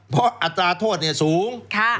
เพราะอัตราโทษสูง